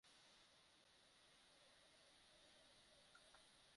দেহঘড়িতে অতিরিক্ত সময় যোগ করে!